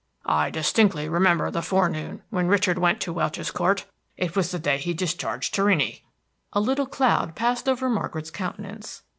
I distinctly remember the forenoon when Richard went to Welch's Court; it was the day he discharged Torrini." A little cloud passed over Margaret's countenance.